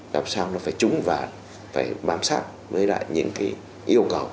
làm sao nó phải trúng và phải bám sát với lại những cái yêu cầu